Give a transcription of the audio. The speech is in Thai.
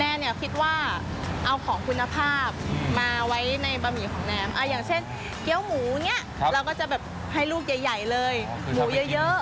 เนี่ยคิดว่าเอาของคุณภาพมาไว้ในบะหมี่ของแนมอย่างเช่นเกี้ยวหมูเนี่ยเราก็จะแบบให้ลูกใหญ่เลยหมูเยอะ